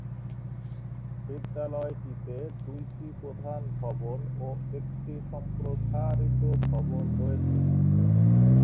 বিদ্যালয়টিতে দুইটি প্রধান ভবন ও একটি সম্প্রসারিত ভবন রয়েছে।